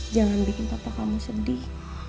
jangan bikin kata kamu sedih